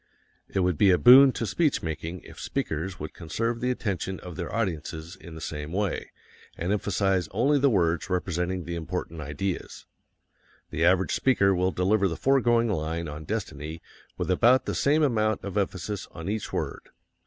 It would be a boon to speech making if speakers would conserve the attention of their audiences in the same way and emphasize only the words representing the important ideas. The average speaker will deliver the foregoing line on destiny with about the same amount of emphasis on each word.